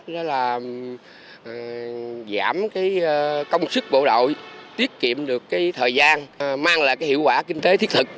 đó là giảm cái công sức bộ đội tiết kiệm được cái thời gian mang lại cái hiệu quả kinh tế thiết thực